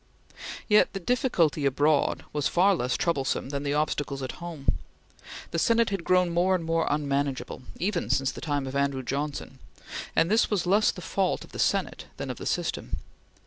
Yet the difficulty abroad was far less troublesome than the obstacles at home. The Senate had grown more and more unmanageable, even since the time of Andrew Johnson, and this was less the fault of the Senate than of the system.